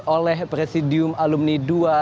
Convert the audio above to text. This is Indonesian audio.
oleh presidium alumni dua ratus dua belas